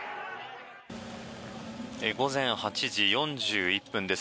午前８時４１分です。